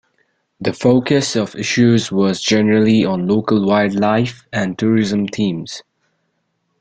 The focus of issues was generally on local wildlife and tourism themes.